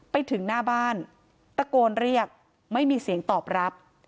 ไปถึงหน้าบ้านตะโกนเรียกไม่มีเสียงตอบรับ